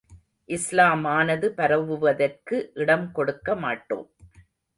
இஸ்லாமானது பரவுவதற்கு இடம் கொடுக்க மாட்டோம்.